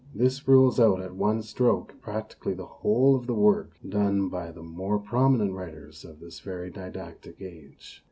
This rules out at one stroke practically the whole of the work done by the more prominent writers of this very didactic age.